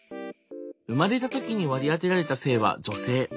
生まれた時に割り当てられた性は女性。